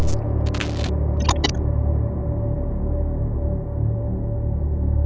ถามจริงเท่าไหร่